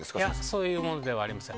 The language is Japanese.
そういうものではありません。